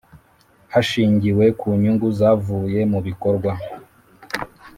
hashingiwe ku nyungu zavuye mu bikorwa